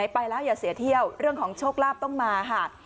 ไปแล้วอย่าเสียเที่ยวเรื่องของโชคลาภต้องมาค่ะ